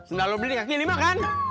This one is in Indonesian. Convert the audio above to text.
sandal lo beli di kaki lima kan